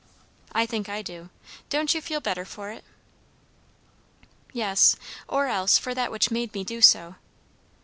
"I think I do. Don't you feel better for it?" "Yes. Or else, for that which made me do so.